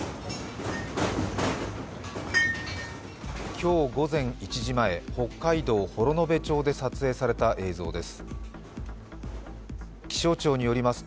今日午前１時前、北海道幌延町で撮影された映像です。